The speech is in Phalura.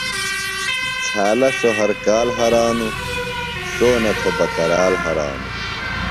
چھالہ سوۡ ہر کال ہرانوۡ ، سونہ تھۡے بکرال ہرانوۡ